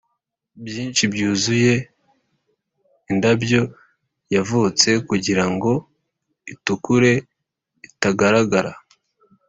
byinshi byuzuye indabyo yavutse kugirango itukure itagaragara,